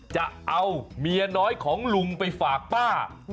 จะเอาเมียน้อยของลุงไปฝากป้า